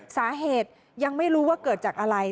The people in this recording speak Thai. สาเหตุยังไม่รู้ว่าเกิดจากอะไร